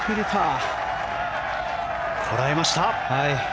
こらえました。